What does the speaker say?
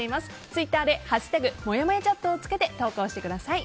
ツイッターで「＃もやもやチャット」をつけて投稿してください。